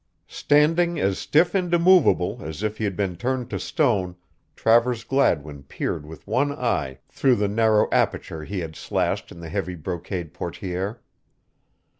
Standing as stiff and immovable as if he had been turned to stone, Travers Gladwin peered with one eye through the narrow aperture he had slashed in the heavy brocade portière.